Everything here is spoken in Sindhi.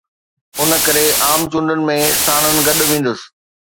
ان ڪري عام چونڊن ۾ ساڻن گڏ ويندس.